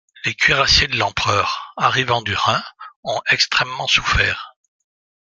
Les cuirassiers de l'empereur, arrivant du Rhin, ont extrêmement souffert.